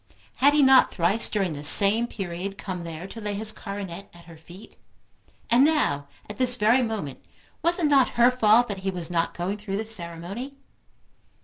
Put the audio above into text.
Had he not thrice during the same period come there to lay his coronet at her feet; and now, at this very moment, was it not her fault that he was not going through the ceremony?